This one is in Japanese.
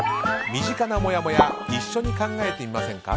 身近なもやもや一緒に考えてみませんか？